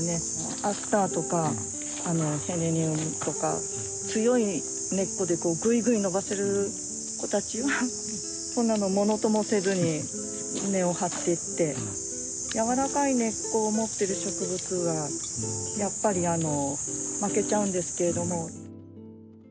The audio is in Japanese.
アスターとかへレニウムとか強い根っこでぐいぐい伸ばせる子たちはこんなのものともせずに根を張ってってやわらかい根っこを持ってる植物はやっぱり負けちゃうんですけれども。